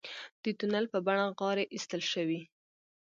د تونل په بڼه غارې ایستل شوي.